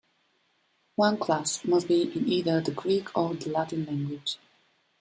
One class must be in either the Greek or the Latin language.